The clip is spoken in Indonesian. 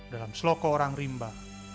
dalam seloko orang rimba